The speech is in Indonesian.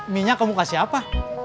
minyak kamu kasih apa